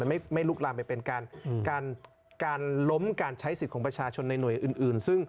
ไม่ลุกลามไปเป็นการล้มการใช้สิทธิ์ของประชาชนในหน่วยอื่นซึ่ง